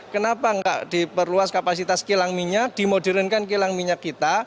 kenapa nggak diperluas kapasitas kilang minyak dimodernkan kilang minyak kita